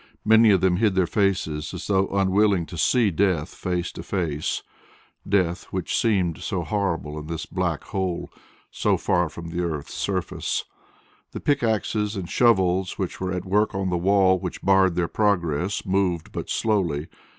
Many of them hid their faces as though unwilling to see death face to face death which seemed so horrible in this black hole so far from the earth's surface. The pickaxes and shovels which were at work on the wall which barred their progress moved but slowly.